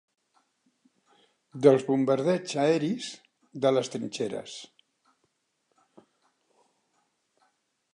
Dels bombardeigs aeris, de les trinxeres